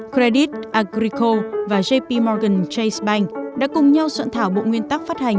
credit agricole và jpmorgan chase bank đã cùng nhau soạn thảo bộ nguyên tắc phát hành